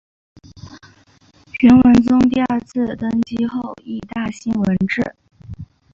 元文宗第二次登基后亦大兴文治。